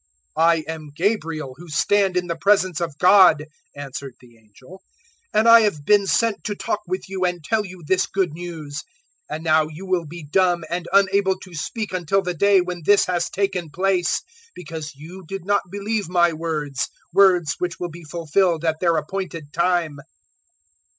001:019 "I am Gabriel, who stand in the presence of God," answered the angel, "and I have been sent to talk with you and tell you this good news. 001:020 And now you will be dumb and unable to speak until the day when this has taken place; because you did not believe my words words which will be fulfilled at their appointed time."